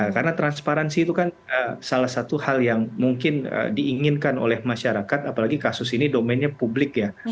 karena transparansi itu kan salah satu hal yang mungkin diinginkan oleh masyarakat apalagi kasus ini domennya publik ya